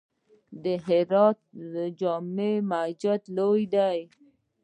د هرات جامع جومات لوی دی